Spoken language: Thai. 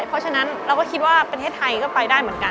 เพราะฉะนั้นเราก็คิดว่าประเทศไทยก็ไปได้เหมือนกัน